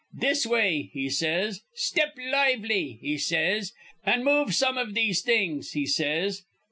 'This way,' he says, 'step lively,' he says, 'an' move some iv these things,' he says.